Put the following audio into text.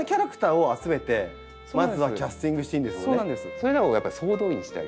それらをやっぱり総動員してあげる。